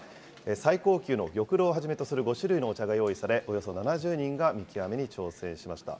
最高級の玉露をはじめとする５種類のお茶が用意され、およそ７０人が見極めに挑戦しました。